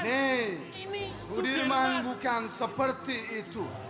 nenek sudirman bukan seperti itu